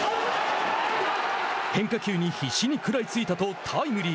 変化球に必死に食らいついたとタイムリー。